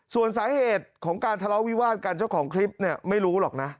ส่วนสาเหตุของการทะเลาะวิวาดกันเจ้าของคลิปเนี่ยไม่รู้หรอกนะ